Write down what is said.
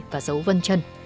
và dấu vân chân